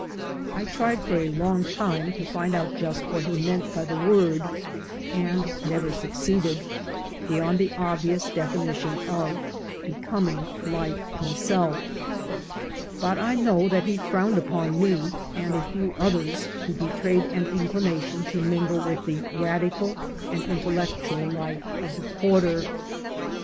I tried for a long time to find out just what he meant by the word, and never succeeded — ^beyond the obvious definition of becoming like himself. But I know that he frowned upon me and a few others who betrayed an inclination to mingle with the radical and intellectual life of the quarter.